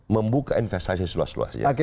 membuka investasi seluas luas